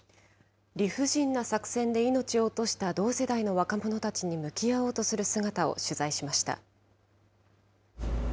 理不尽な作戦で命を落とした同世代の若者たちに向き合おうとする姿を取材しました。